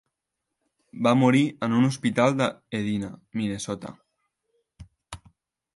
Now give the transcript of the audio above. Va morir en un hospital de Edina, Minnesota.